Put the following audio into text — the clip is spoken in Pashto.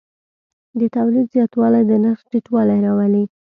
د تولید زیاتوالی د نرخ ټیټوالی راولي.